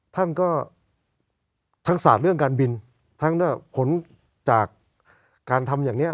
ท่านก็ทักษะเรื่องการบินท่านก็ผลจากการทำอย่างเนี้ย